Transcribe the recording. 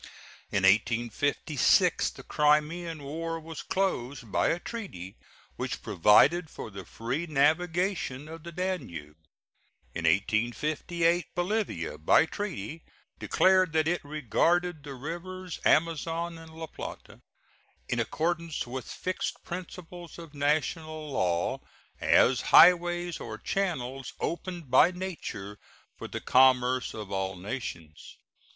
In 1856 the Crimean War was closed by a treaty which provided for the free navigation of the Danube. In 1858 Bolivia by treaty declared that it regarded the rivers Amazon and La Plata, in accordance with fixed principles of national law, as highways or channels opened by nature for the commerce of all nations.